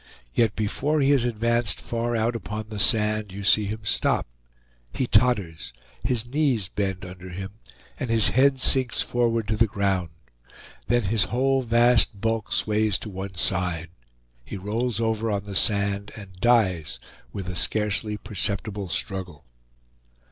Yet before he has advanced far out upon the sand, you see him stop; he totters; his knees bend under him, and his head sinks forward to the ground. Then his whole vast bulk sways to one side; he rolls over on the sand, and dies with a scarcely perceptible struggle.